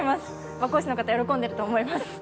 和光市の方、喜んでいると思います。